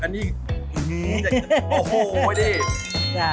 นี้อี่โอ้โฮว่าเฮ่ย